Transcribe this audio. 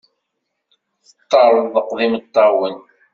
Teṭṭerḍeq d imeṭṭawen.